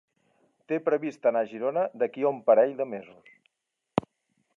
Té previst anar a Girona d'aquí a un parell de mesos.